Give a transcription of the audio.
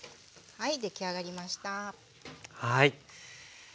はい。